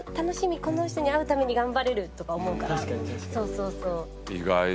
「この人に会うために頑張れる！」とか思うから。